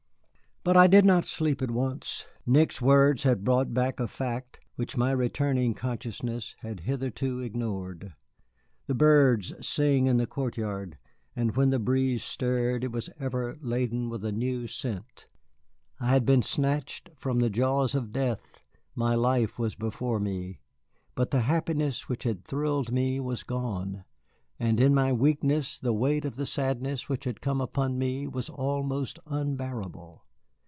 But I did not sleep at once. Nick's words had brought back a fact which my returning consciousness had hitherto ignored. The birds sang in the court yard, and when the breeze stirred it was ever laden with a new scent. I had been snatched from the jaws of death, my life was before me, but the happiness which had thrilled me was gone, and in my weakness the weight of the sadness which had come upon me was almost unbearable.